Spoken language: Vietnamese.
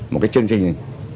một cái chương trình